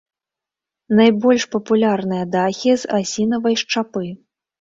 Найбольш папулярныя дахі з асінавай шчапы.